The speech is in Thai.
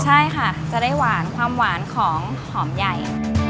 ใช่ค่ะจะได้หวานความหวานของหอมใหญ่